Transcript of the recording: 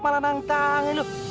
malah nantangin lu